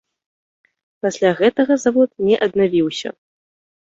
Пасля гэтага завод не аднавіўся.